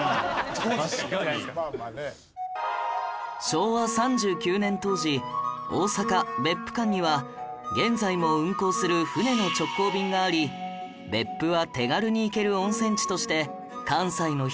昭和３９年当時大阪別府間には現在も運航する船の直行便があり別府は手軽に行ける温泉地として関西の人に大人気でした